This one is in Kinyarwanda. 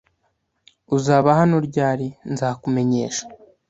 "Uzaba hano ryari?" "Nzakumenyesha."